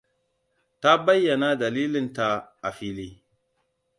Ta bayyana dalilanta a fili.